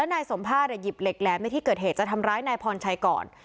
นายสมภาษณหยิบเหล็กแหลมในที่เกิดเหตุจะทำร้ายนายพรชัยก่อน